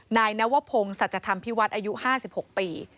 นายนัวพงศาจธรรมพิวัตรอายุ๕๖ปี